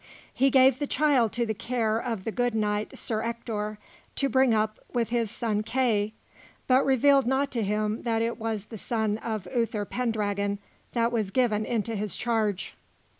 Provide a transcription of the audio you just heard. He gave the child to the care of the good knight Sir Ector to bring up with his son Kay, but revealed not to him that it was the son of Uther Pendragon that was given into his charge.